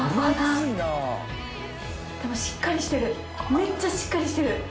めっちゃしっかりしてる。